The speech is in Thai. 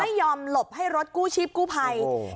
ไม่ยอมหลบให้รถกู้ชิบกู้ไพโอ้โห